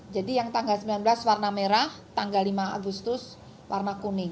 jadi yang tanggal sembilan belas warna merah tanggal lima agustus warna kuning